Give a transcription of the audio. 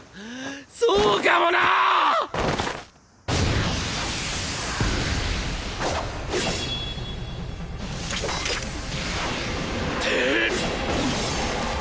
そうかもな‼ていっ！